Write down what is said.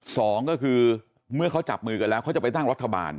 สองก็คือเมื่อเขาจับมือกันแล้วเขาจะไปตั้งรัฐบาล